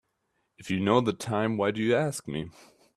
If you know the time why do you ask me?